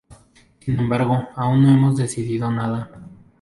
Sin embargo, aún no hemos decidido nada.